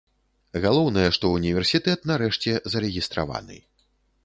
Галоўнае, што ўніверсітэт нарэшце зарэгістраваны.